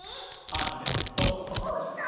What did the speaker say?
ハズレット。